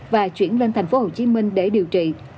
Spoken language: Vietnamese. và chuyển lên thành phố hồ chí minh để điều trị